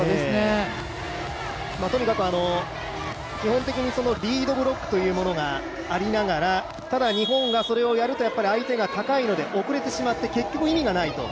とにかく基本的にリードブロックというものがありながらただ日本がそれをやると相手が高いので、遅れてしまって、結局、意味がないと。